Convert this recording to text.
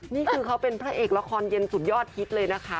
นี่คือเขาเป็นพระเอกละครเย็นสุดยอดฮิตเลยนะคะ